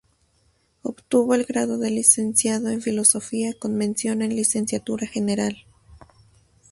Obtuvo el grado de Licenciado en Filosofía con mención en Literatura General.